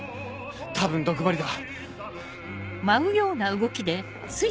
多分毒針だ。